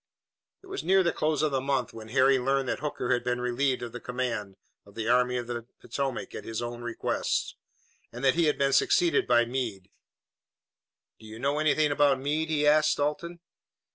It was near the close of the month when Harry learned that Hooker had been relieved of the command of the Army of the Potomac at his own request, and that he had been succeeded by Meade. "Do you know anything about Meade?" he asked Dalton.